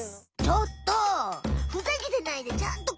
ちょっと！